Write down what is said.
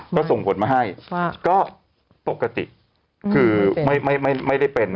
ก็ส่งผลมาให้ก็ปกติคือไม่ได้เป็น